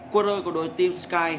cuối rơi của đội team sky